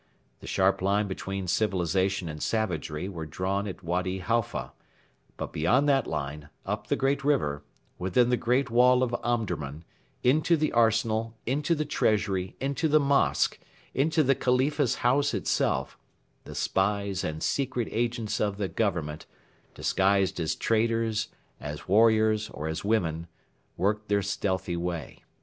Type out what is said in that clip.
The sharp line between civilisation and savagery was drawn at Wady Halfa; but beyond that line, up the great river, within the great wall of Omdurman, into the arsenal, into the treasury, into the mosque, into the Khalifa's house itself, the spies and secret agents of the Government disguised as traders, as warriors, or as women worked their stealthy way.